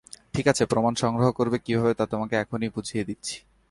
ঠিক আছে, প্রমাণ সংগ্রহ করবে কীভাবে তা তোমাকে এখন বুঝিয়ে দিচ্ছি।